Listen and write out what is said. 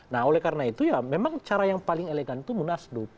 nah oleh karena itu ya memang cara yang paling elegan itu munaslup